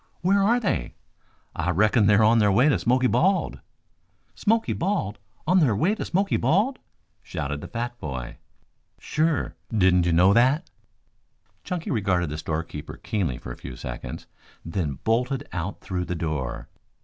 "Where are they?" "I reckon they're on their way to Smoky Bald." "Smoky Bald? On their way to Smoky Bald?" shouted the fat boy. "Sure. Didn't you know that?" Chunky regarded the storekeeper keenly for a few seconds, then bolted out through the door.